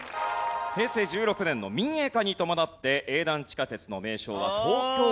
平成１６年の民営化に伴って営団地下鉄の名称は東京メトロに変わったんです。